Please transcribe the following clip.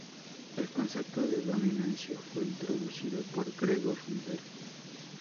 El concepto de dominancia fue introducido por Gregor Mendel.